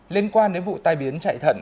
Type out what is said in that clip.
liên quan đến vụ tai biến chạy thận